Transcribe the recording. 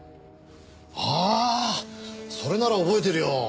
ああそれなら覚えてるよ。